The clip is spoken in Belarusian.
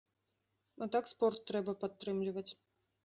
А так спорт трэба падтрымліваць.